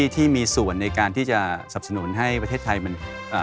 ที่มีส่วนในการที่จะสับสนุนให้ประเทศไทยมัน